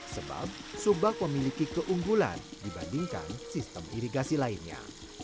sebab subak memiliki keunggulan dibandingkan sistem irigasi lainnya